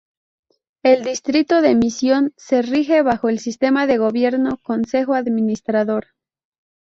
El Distrito de Mission se rige bajo el sistema de gobierno Consejo Administrador.